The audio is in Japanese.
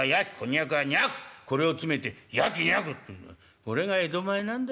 これが江戸前なんだよお前。